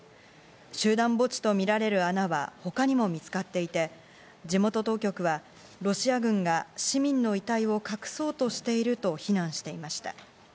集団墓地とみられる穴は他にも見つかっていて、地元当局は、ロシア軍が市民の遺体を隠そうとしていると非難していました。